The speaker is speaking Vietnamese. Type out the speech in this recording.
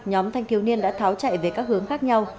nhóm thanh thiếu niên đã tháo chạy về các hướng khác nhau